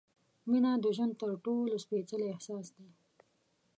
مینه د ژوند تر ټولو سپېڅلی احساس دی.